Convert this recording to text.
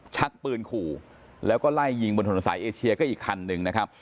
ชักปืนกู้แล้วก็ไล่ยิงบนธนาศาสตร์เอเชียก็อีกทางดึงนะครับ